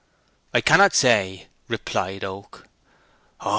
"I cannot say," replied Oak.